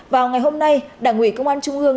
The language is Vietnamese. vào ngày hôm nay đảng ủy công an trung ương